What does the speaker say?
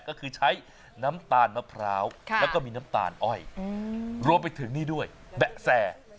ก็คือใช้น้ำตาลมะพร้าวแล้วก็มีน้ำตาลอ้อยรวมไปถึงนี่ด้วยแบะแซ่